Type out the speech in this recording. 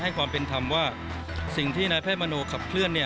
ความเป็นธรรมว่าสิ่งที่นายแพทย์มโนขับเคลื่อน